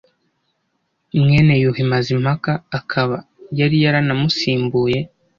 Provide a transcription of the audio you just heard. mwene Yuhi Mazimpaka akaba yari yaranamusimbuye